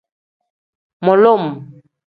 Mulum.